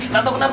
gak tau kenapa